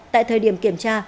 tại thời điểm kiểm tra